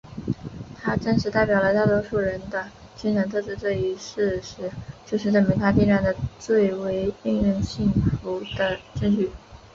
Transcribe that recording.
他真实代表了大多数人的精神特质这一事实就是证明他力量的最为令人信服的证据。